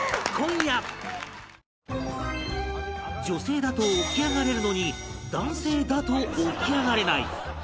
女性だと起き上がれるのに男性だと起き上がれない